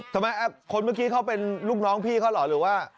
ทำไมคนเมื่อกี้เขาเป็นลูกน้องพี่เขาเหรอหรือว่า